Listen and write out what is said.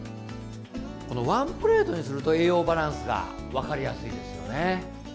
このワンプレートにすると栄養バランスが分かりやすいですよね。